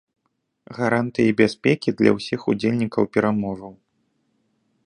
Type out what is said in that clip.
Гарантыі бяспекі для ўсіх удзельнікаў перамоваў.